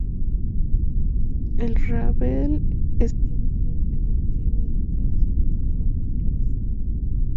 El rabel es producto evolutivo de la tradición y cultura populares.